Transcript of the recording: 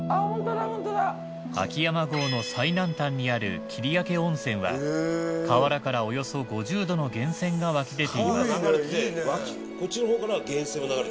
秋山郷の最南端にある切明温泉は河原からおよそ５０℃の源泉が湧き出ています。